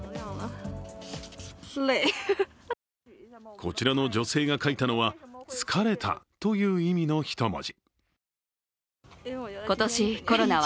こちらの女性が書いたのは疲れたという意味の一文字。